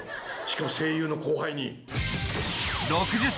しかも声優の後輩に。